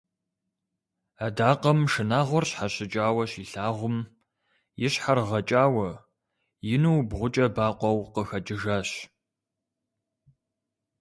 Адакъэм шынагъуэр щхьэщыкӀауэ щилъагъум, и щхьэр гъэкӀауэ, ину бгъукӀэ бакъуэу къыхэкӀыжащ.